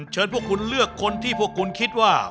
พวกคุณเลือกคนที่พวกคุณคิดว่า